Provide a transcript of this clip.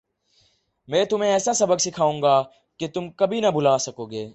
میں تمہیں ایسا سبق سکھاؤں گا کہ تم کبھی نہ بھلا سکو گے